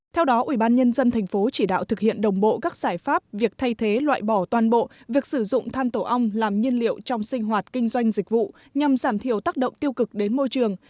theo đó ủy ban nhân dân thành phố chỉ đạo thực hiện đồng bộ các giải pháp việc thay thế loại bỏ toàn bộ việc sử dụng than tổ ong làm nhiên liệu trong sinh hoạt kinh doanh dịch vụ nhằm giảm thiểu tác động tiêu cực đến môi trường